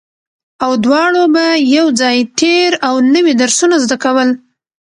او دواړو به يو ځای تېر او نوي درسونه زده کول